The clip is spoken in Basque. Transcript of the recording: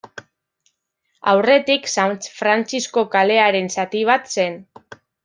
Aurretik San Frantzisko kalearen zati bat zen.